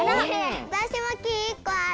わたしもきん１こある！